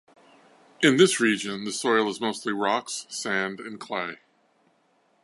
In this region, the soil is mostly rocks, sand and clay.